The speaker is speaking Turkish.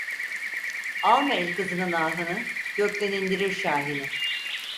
Alma el kızının ahını, gökten indirir şahini.